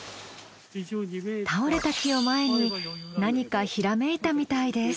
倒れた木を前に何かひらめいたみたいです。